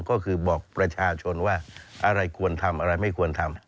ก็คือบอกประชาชนว่าอะไรควรทำอะไรไม่ควรทำ